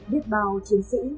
biết bao chiến sĩ